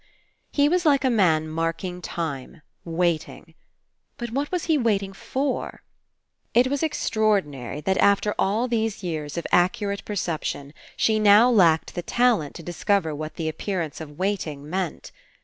He was Hke a man marking time, wait ing. But what was he waiting for? It was ex traordinary that, after all these years of ac curate perception, she now lacked the talent to discover what that appearance of waiting meant.